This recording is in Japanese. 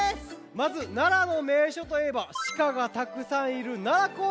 まず奈良のめいしょといえばシカがたくさんいる奈良公園。